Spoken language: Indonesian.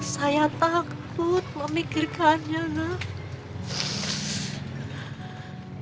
saya takut memikirkannya nak